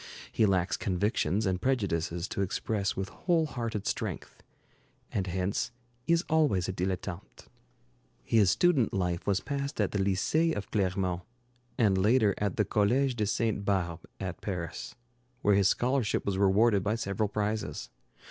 He lacks convictions and prejudices to express with whole hearted strength, and hence is always a dilettante. [Illustration: Paul Bourget] His student life was passed at the Lycée of Clermont, and later at the Collège de Sainte Barbe at Paris, where his scholarship was rewarded by several prizes.